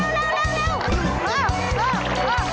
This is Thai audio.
อ้อมที่๕แล้วลูกหนีไปเย็นเท่านั้น